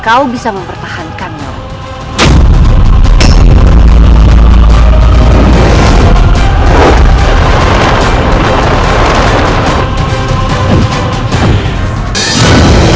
kau bisa mempertahankannya